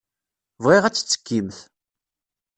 Bɣiɣ ad tettekkimt.